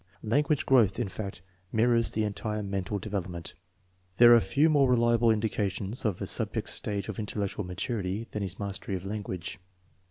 Language growth, in fact> mirrors the entire mental development. There are few more reliable indica tions of a subject's stage of intellectual maturity than his mastery of language.